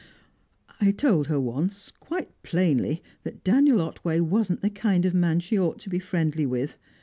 "I told her once, quite plainly, that Daniel Otway wasn't the kind of man she ought to be friendly with.